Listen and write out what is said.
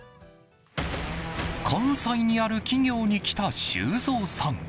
関西にある企業に来た修造さん。